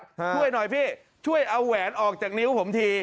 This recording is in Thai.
ช่วยหน่อยพี่ช่วยเอาแหวนออกจากนิ้วผมที